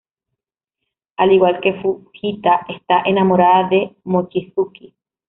Al igual que Fujita, está enamorada de Mochizuki.